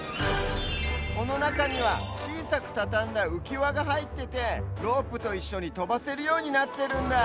このなかにはちいさくたたんだうきわがはいっててロープといっしょにとばせるようになってるんだ。